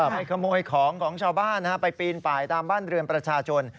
ไปขโมยของของชาวบ้านไปปีนป่ายตามบ้านเรือนประชาชน